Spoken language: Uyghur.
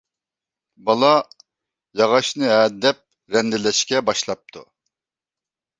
بالا ياغاچنى ھەدەپ رەندىلەشكە باشلاپتۇ.